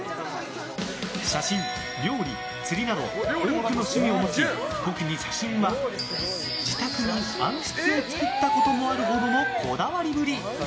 写真、料理、釣りなど多くの趣味を持ち特に写真は、自宅に暗室を作ったこともあるほどのこだわりぶり。